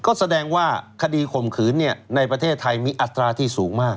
ก็แสดงว่าคดีข่มขืนในประเทศไทยมีอัตราที่สูงมาก